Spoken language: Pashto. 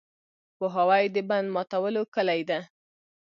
پوهاوی د بند ماتولو کلي ده.